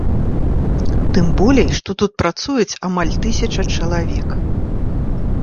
Тым болей, што тут працуюць амаль тысяча чалавек.